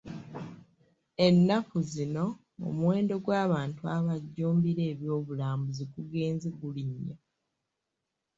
Ennaku zino omuwendo gw'abantu abajjumbira eby'obulambuzi gugenze gulinnya.